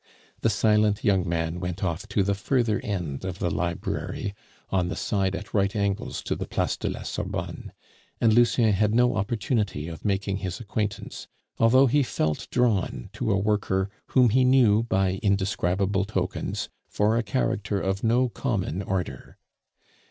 The silent young man went off to the further end of the library, on the side at right angles to the Place de la Sorbonne, and Lucien had no opportunity of making his acquaintance, although he felt drawn to a worker whom he knew by indescribable tokens for a character of no common order.